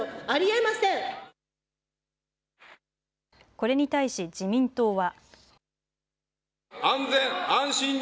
これに対し自民党は。